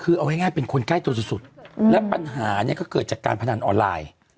คือเอาง่ายเป็นคนใกล้ตัวสุดและปัญหาเนี่ยก็เกิดจากการพนันออนไลน์